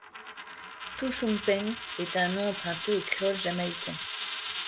Tu Shung Peng est un nom emprunté au créole jamaïquain.